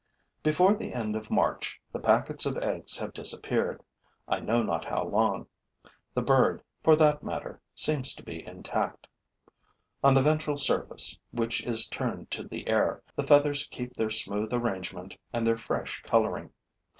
Before the end of March, the packets of eggs have disappeared, I know not how long. The bird, for that matter, seems to be intact. On the ventral surface, which is turned to the air, the feathers keep their smooth arrangement and their fresh coloring.